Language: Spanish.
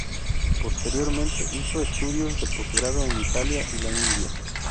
Posteriormente hizo estudios de posgrado en Italia y la India.